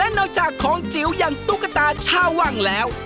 และนอกจากของจิ๋วยังตุ๊กตาช่าว่างแล้ว